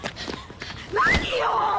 何よ